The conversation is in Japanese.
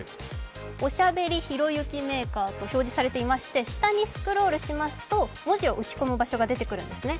「おしゃべりひろゆきメーカー」と表示されていまして、下にスクロールしますと文字を打ち込む場所が出てくるんですね。